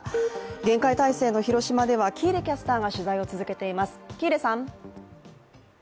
厳戒態勢の広島では喜入キャスターが取材を続けています。